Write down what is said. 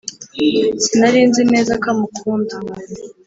sinari nzi neza ko amukunda,